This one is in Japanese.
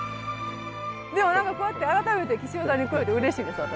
でも何かこうやって改めて岸和田に来れてうれしいです私。